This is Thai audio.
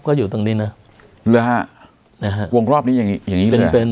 ก็อยู่ตรงนี้น่ะหรือฮะนะฮะวงรอบนี้อย่างงี้อย่างงี้หรือเป็น